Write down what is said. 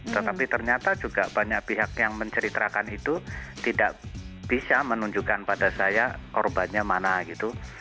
tetapi ternyata juga banyak pihak yang menceritakan itu tidak bisa menunjukkan pada saya korbannya mana gitu